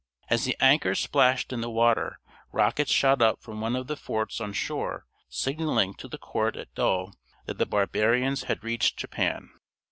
As the anchors splashed in the water rockets shot up from one of the forts on shore signaling to the court at Yedo that the barbarians had reached Japan.